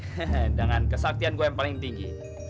hehehe dengan kesaktian gue yang paling tinggi